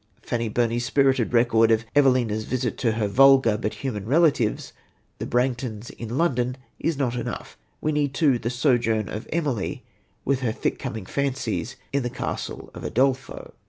Fanny Burney's spirited record of Evelina's visit to her vulgar, but human, relatives, the Branghtons, in London, is not enough. We need too the sojourn of Emily, with her thick coming fancies, in the castle of Udolpho.